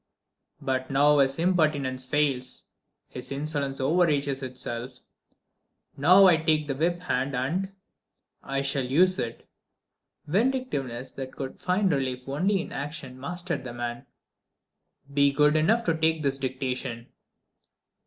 "But now his impertinence fails, his insolence over reaches itself. Now I have the whip hand and ... I shall use it!" Vindictiveness that could find relief only in action mastered the man. "Be good enough to take this dictation."